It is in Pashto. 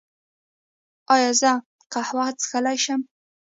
ایا زه قهوه څښلی شم؟